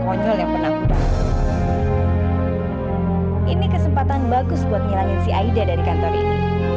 konyol yang pernah aku dapat ini kesempatan bagus buat nyalahin si aida dari kantor ini